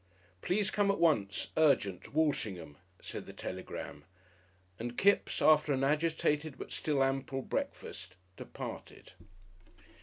"Please come at once, urgent, Walshingham," said the telegram, and Kipps, after an agitated but still ample breakfast, departed....